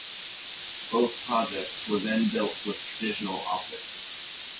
Both projects were then built with traditional optics.